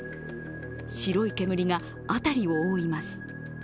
白い煙が辺りを覆います。